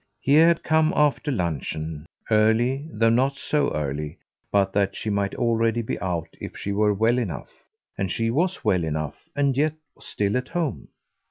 He had come, after luncheon, early, though not so early but that she might already be out if she were well enough; and she was well enough and yet was still at home.